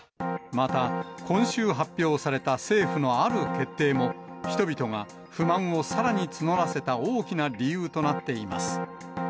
また今週発表された政府のある決定も、人々が不満をさらに募らせた大きな理由となっています。